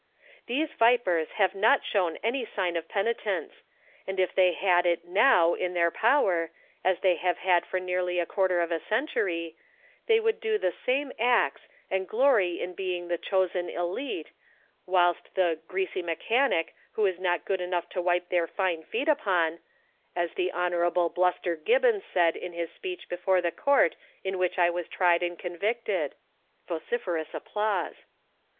] These vipers have not shown any sign of peni tence ; and if they liad it note in their power, as they have had for nearly a quarter of a century, they would do the same acts, and glory in being the chosen <fli(e, whilst the ' greasy mechanic, who is not good enough to wipe their fine feet upon,' as the Hon, (?) Bluster Gibbons said in his speech before the court in which I was tried and con victed. [Vociferous applause.